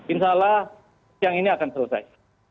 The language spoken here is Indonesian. insya allah siang ini akan selesai